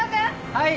・はい！